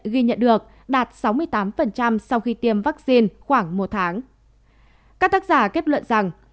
ghi nhận được đạt sáu mươi tám sau khi tiêm vaccine khoảng một tháng các tác giả kết luận rằng